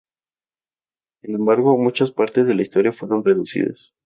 Sin embargo, muchas partes de la historia fueron "reducidas".